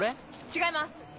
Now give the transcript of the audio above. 違います！